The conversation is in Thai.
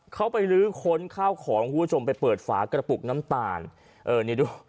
เขาไปลื้อค้นข้าวของคุณผู้ชมไปเปิดฝากระปุกน้ำตาลเออนี่ดู